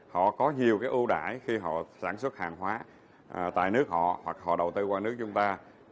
họ có nhiều cái ưu đải khi họ sản xuất hàng hóa tại nước họ hoặc họ đầu tư qua nước chúng ta